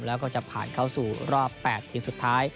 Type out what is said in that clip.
แล้วก็จะผ่านเข้าสู่รอบ๘ทีมสุดท้าย